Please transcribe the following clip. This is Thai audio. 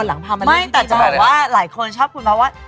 ไม่แต่จะบอกว่าหลายคนชอบคุณมากว่า